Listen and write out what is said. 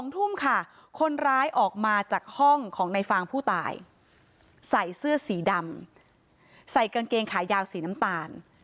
ทุ่มค่ะคนร้ายออกมาจากห้องของในฟางผู้ตายใส่เสื้อสีดำใส่กางเกงขายาวสีน้ำตาล